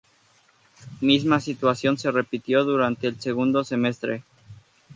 Misma situación se repitió durante el segundo semestre.